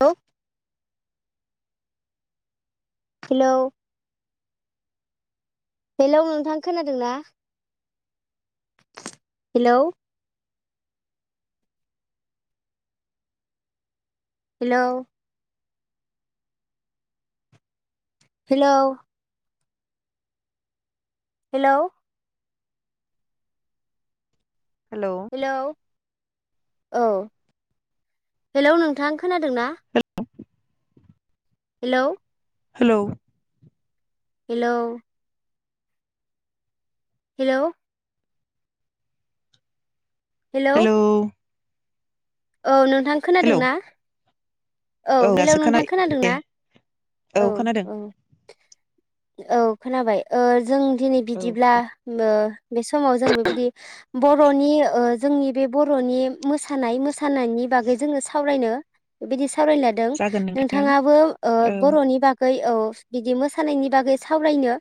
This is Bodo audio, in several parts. औ हेलौ हेलौ नोंथां खोनादों ना? Hello hello hello hello hello औ हेलौ नोंथां खोनादों ना? Hello hello hello hello hello औ नों थां खोनादों हेलौ ना? औ हेलौ दासो नोंथां खोनाबाय दे खोनादोंना? औ औ औ खोनाबाय ओ जों दिनै औ बिदिब्ला नो बे समाव जों बेबायदि बर'नि ओ जोंनि बे बर'नि मोसानाय मोसानायनि बागै जोङो सावरायनो बेबादिस सावरायलादों जागोन नोंथां नोंथाङाबो ओ औ बर'नि बागै औ बिदि मोसानायनि बागै सावरायनो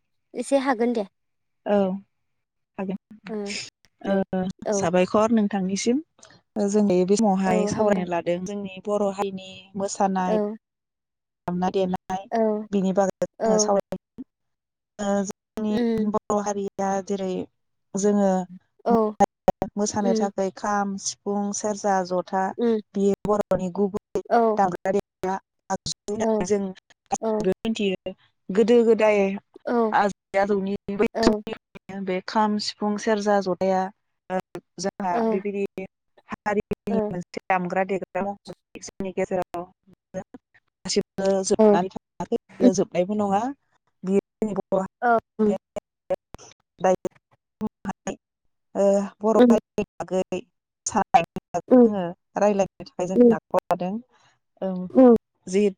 एसे हागोन दे औ हागोन ओ दे ओ औ साबायखर नों थांनिसिम ओ जोंनि बे औ समावहाय हामबाय सावरायनो लादों जोंनि बर' हारिनि मोसानाय औ दामनाय देनाय नाय औ बिनि बागै जोङो औ सावराय उम बर' हारि बा जेरै जोङो औ मोसानो उम थाखाय खाम, सि सिफुं, सेरजा, ज था उम बियो बर' गुबुन औ [inaudible] [inaudible] आगजु औ होननानै जों औ गासैबो मिथियो गोदो गोदो दाय औ आजै आजौनि बै औ बे खाम, सिफुं, सेरजा, जथाया जोंहा औ बेबायदि हारिनि औ मोनसे दामग्रा दे [unintelligible] गासिबो उम जोबनानै थाङाखै आरो जोबनायबो नङा बि औ उम [unintelligible] ओ बर' उम हारिनि बागै [unintelligible] जोङो रायजलायनो थाखाय जों उम आखायाव लादों औ जिहेतु